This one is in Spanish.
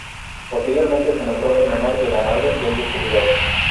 Posteriormente, se nombró en honor de la madre del descubridor.